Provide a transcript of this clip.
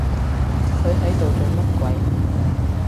佢喺度做乜鬼？